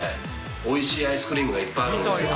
九州だったので、おいしいアイスクリームがいっぱいあるんですよ。